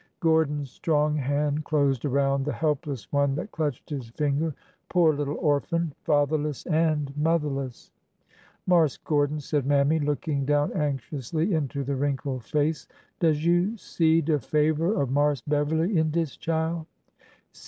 Gordon's strong hand closed around the helpless one that clutched his finger. Poor little orphan ! Fatherless and motherless !'' Marse Gordon," said Mammy, looking down anx iously into the wrinkled face, does you see de favor of Marse Beverly in dis chile?